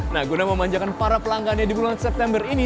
nah guna memanjakan para pelanggannya di bulan september ini